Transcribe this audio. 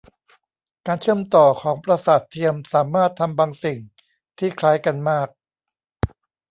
การเชื่อมต่อของประสาทเทียมสามารถทำบางสิ่งที่คล้ายกันมาก